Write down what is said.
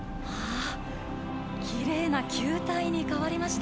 きれいな球体に変わりました。